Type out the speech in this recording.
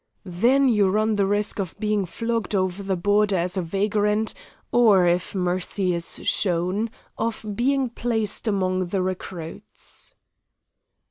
"Then you run the risk of being flogged over the border as a vagrant, or, if mercy is shown, of being placed among the recruits."